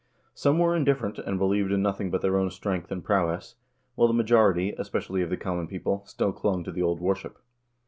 Some were indifferent, and believed in nothing but their own strength and prowess, while the majority, especially of the common people, still clung to the old worship.